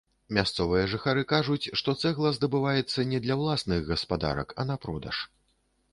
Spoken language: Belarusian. Мясцовыя жыхары кажуць, што цэгла здабываецца не для ўласных гаспадарак, а на продаж.